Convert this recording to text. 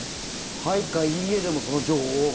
「はい」か「いいえ」でもその情報が。